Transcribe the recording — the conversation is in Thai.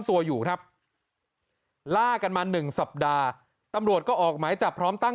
ตัวอยู่ครับล่ากันมา๑สัปดาห์ตำรวจก็ออกหมายจับพร้อมตั้ง